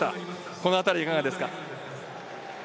このあたりいかがですか？